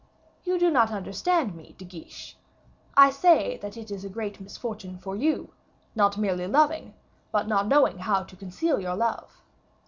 "You do not understand me, De Guiche. I say that it is a great misfortune for you, not merely loving, but not knowing how to conceal your love."